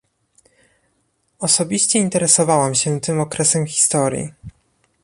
Osobiście interesowałam się tym okresem historii